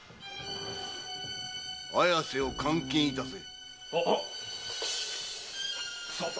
綾瀬を監禁いたせ。